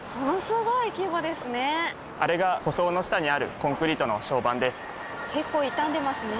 あれが舗装の下にあるコンクリートの床版です。